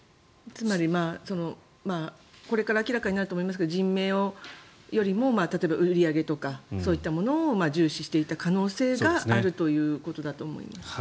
つまり、これから明らかになると思いますが人命よりも例えば売り上げとかというものを重視していた可能性があるということだと思います。